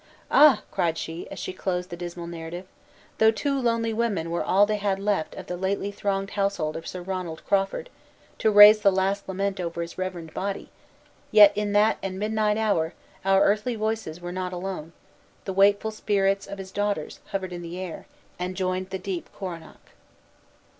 "Ah!" cried she, as she closed the dismal narrative; "though two lonely women were all they had left of the lately thronged household of Sir Ronald Crawford, to raise the last lament over his revered body, yet in that and midnight hour, our earthly voices were not alone; the wakeful spirits of his daughters, hovered in the air, and joined the deep coronach!"